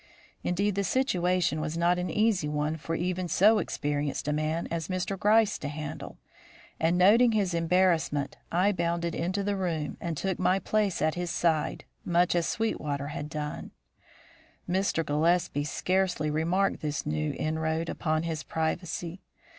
Indeed, the situation was not an easy one for even so experienced a man as Mr. Gryce to handle, and, noting his embarrassment, I bounded into the room and took my place at his side, much as Sweetwater had done. Mr. Gillespie scarcely remarked this new inroad upon his privacy.